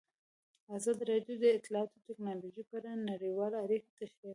ازادي راډیو د اطلاعاتی تکنالوژي په اړه نړیوالې اړیکې تشریح کړي.